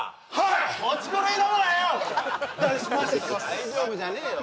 大丈夫じゃねえよ